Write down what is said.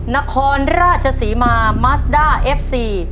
นครราชศรีมามัสด้าเอฟซี